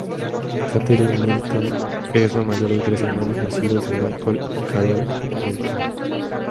Catherine Middleton es la mayor de tres hermanos nacidos de Michael y Carole Middleton.